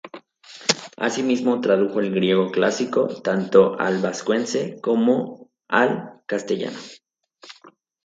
Asimismo tradujo del griego clásico, tanto al vascuence como al castellano.